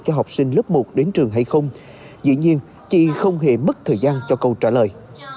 cho học sinh lớp một đến trường hay không dĩ nhiên chị không hề mất thời gian cho câu trả lời